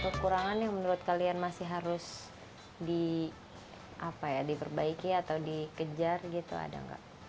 kekurangan yang menurut kalian masih harus diperbaiki atau dikejar gitu ada nggak